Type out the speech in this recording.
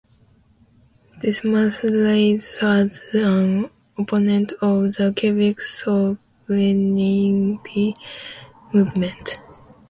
Desmarais was an opponent of the Quebec sovereignty movement.